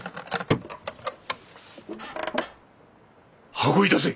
運び出せ。